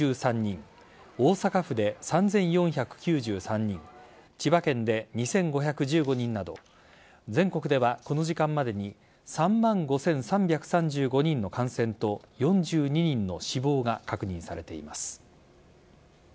大阪府で３４９３人千葉県で２５１５人など全国ではこの時間までに３万５３３５人の感染と４２人の死亡が確認されています。